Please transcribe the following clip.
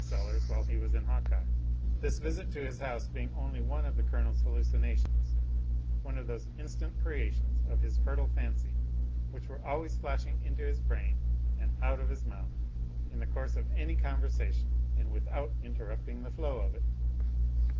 Sellers while he was in Hawkeye; this visit to his house being only one of the Colonel's hallucinations one of those instant creations of his fertile fancy, which were always flashing into his brain and out of his mouth in the course of any conversation and without interrupting the flow of it.